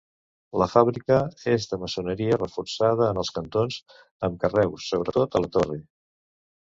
La fàbrica és de maçoneria, reforçada en els cantons amb carreus, sobretot a la torre.